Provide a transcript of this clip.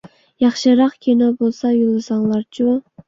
ياخشىراق كىنو بولسا يوللىساڭلارچۇ.